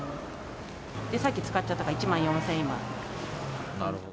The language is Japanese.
さっき使っちゃったから、１万４０００円、今。